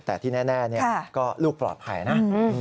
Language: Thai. แต่ที่แน่ก็ลูกปลอดภัยนะ